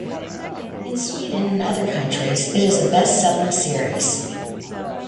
In Sweden and other countries it is a best-selling series.